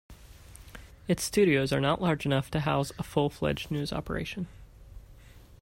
Its studios are not large enough to house a full-fledged news operation.